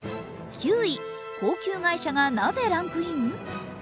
９位、高級外車がなぜランクイン？